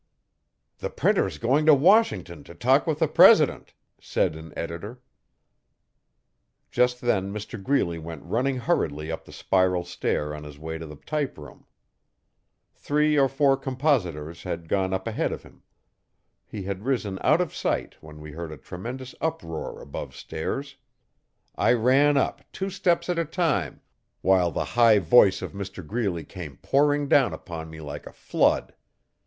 'The Printer's going to Washington to talk with the president,' said an editor. Just then Mr Greeley went running hurriedly up the spiral stair on his way to the typeroom. Three or four compositors had gone up ahead of him. He had risen out of sight when we heard a tremendous uproar above stairs. I ran up, two steps at a time, while the high voice of Mr Greeley came pouring down upon me like a flood.